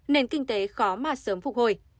nên kinh tế khó mà sớm phục hồi